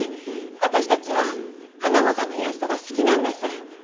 私たちはハナモさんのイラストが好きなんです。